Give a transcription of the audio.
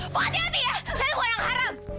saya tuh bukan anak haram